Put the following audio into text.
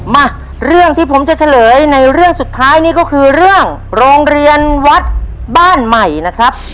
มาเรื่องที่ผมจะเฉลยในเรื่องสุดท้ายนี่ก็คือเรื่องโรงเรียนวัดบ้านใหม่นะครับ